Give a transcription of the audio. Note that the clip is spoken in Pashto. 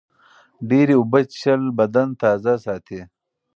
ډېرې اوبه څښل بدن تازه ساتي.